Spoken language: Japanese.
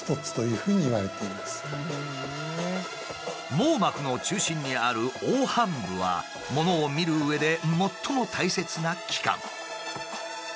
網膜の中心にある黄斑部はものを見るうえで最も大切な器官。